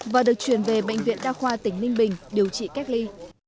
và được chuyển về bệnh viện đa khoa tỉnh ninh bình điều trị cách ly